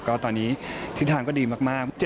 ก็ตอนนี้ทิศทางก็ดีมาก